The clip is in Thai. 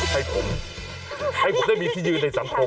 ให้ผมให้ผมได้มีที่ยืนในสังคม